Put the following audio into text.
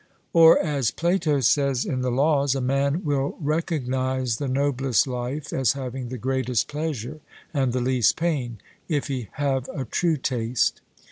Or as Plato says in the Laws, 'A man will recognize the noblest life as having the greatest pleasure and the least pain, if he have a true taste.'